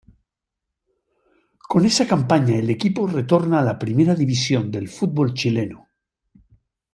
Con esa campaña el equipo retorna a la Primera División del fútbol chileno.